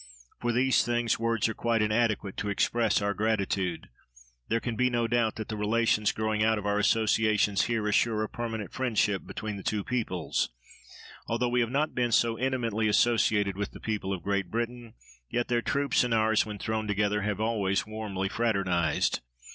For these things words are quite inadequate to express our gratitude. There can be no doubt that the relations growing out of our associations here assure a permanent friendship between the two peoples. Although we have not been so intimately associated with the people of Great Britain, yet their troops and ours when thrown together have always warmly fraternized.